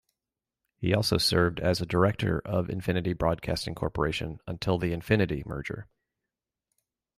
He also served as a director of Infinity Broadcasting Corporation until the Infinity merger.